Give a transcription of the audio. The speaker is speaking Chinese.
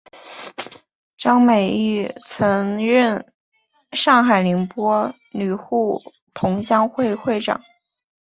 张美翊曾任上海宁波旅沪同乡会会长。